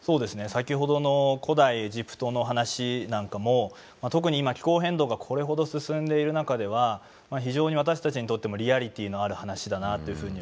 先ほどの古代エジプトの話なんかも特に今気候変動がこれほど進んでいる中では非常に私たちにとってもリアリティーのある話だなというふうに思うんですね。